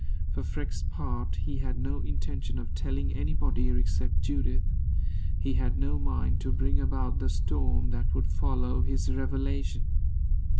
For Freke's part, he had no intention of telling anybody except Judith. He had no mind to bring about the storm that would follow his revelation.